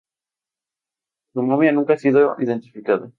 Su momia nunca ha sido identificada.